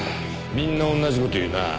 みんな同じ事を言うなぁ。